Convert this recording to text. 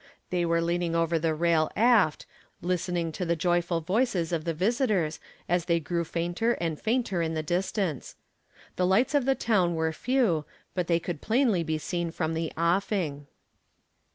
They were leaning over the rail aft listening to the jovial voices of the visitors as they grew fainter and fainter in the distance. The lights of the town were few, but they could plainly be seen from the offing.